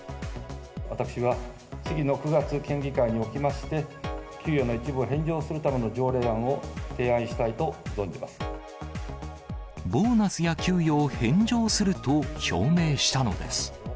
私は次の９月県議会におきまして、給与の一部を返上するためボーナスや給与を返上すると表明したのです。